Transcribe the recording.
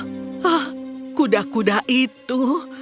hah kuda kuda itu